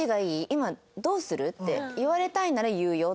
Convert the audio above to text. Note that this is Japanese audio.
今どうするって言われたいなら言うよ」。